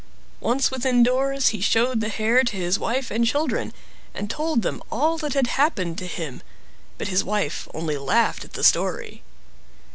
Once within doors he showed the hair to his wife and children, and told them all that had happened to him; but his wife only laughed at the Story.